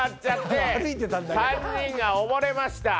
３人が溺れました。